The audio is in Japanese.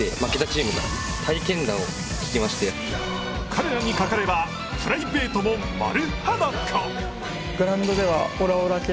彼らにかかれば、プライベートも丸裸。